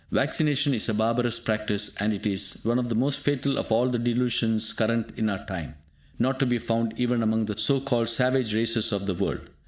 Vaccination is a barbarous practice, and it is one of the most fatal of all the delusions current in our time, not to be found even among the so called savage races of the world.